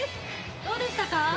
どうでしたか？